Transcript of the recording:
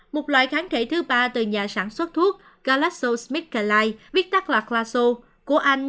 một loại kháng thể thứ ba từ nhà sản xuất thuốc galaxosmithkline của anh